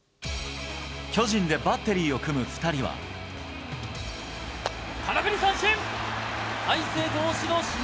巨人でバッテリーを組む２人空振り三振。